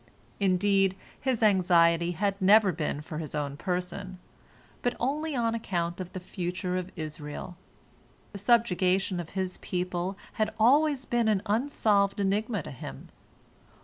Indeed, his anxiety had never been for his own person, but only on account of the future of Israel. The subjugation of his people had always been an unsolved enigma to him.